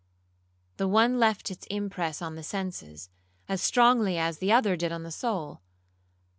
—The one left its impress on the senses, as strongly as the other did on the soul.